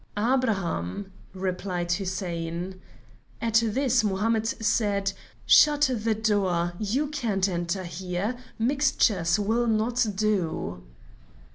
'Abraham,' replied Hussein. At this Mohammed said: 'Shut the door; you can't enter here; mixtures will not do.'"